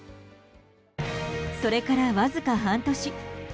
それからわずか半年。